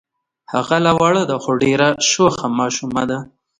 هغه لا وړه ده خو ډېره شوخه ماشومه ده.